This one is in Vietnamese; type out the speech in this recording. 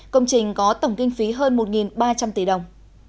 công trình có tổng kinh phí hơn một ba trăm linh tỷ đồng